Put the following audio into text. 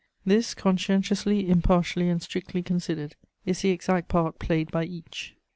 This, conscientiously, impartially and strictly considered, is the exact part played by each.